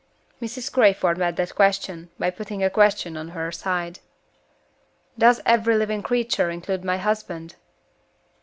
Mrs. Crayford met that question, by putting a question on her side. "Does 'every living creature' include my husband?"